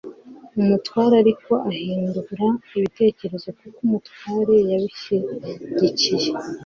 umutware ariko ahindura ibitekerezo kuko umutware yabishyigikiye